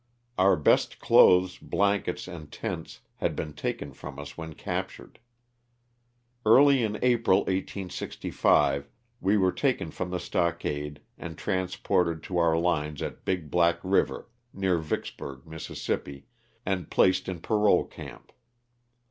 Our best clothes, blankets and tents had been taken from us when captured. Early in April, 1865, we were taken from the stock ade and transported to our lines at Big Black river, near Vicksburg, Miss., and placed in parole camp.